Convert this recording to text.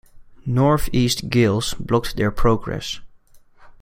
Northeast gales blocked their progress.